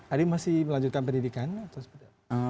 adik masih melanjutkan pendidikan atau sebagainya